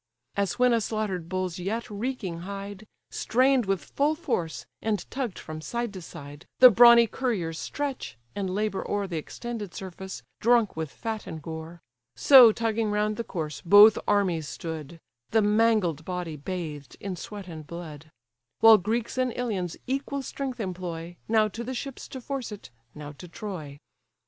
As when a slaughter'd bull's yet reeking hide, Strain'd with full force, and tugg'd from side to side, The brawny curriers stretch; and labour o'er The extended surface, drunk with fat and gore: So tugging round the corse both armies stood; The mangled body bathed in sweat and blood; While Greeks and Ilians equal strength employ, Now to the ships to force it, now to Troy.